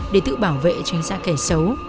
để tự bảo vệ tránh ra kẻ xấu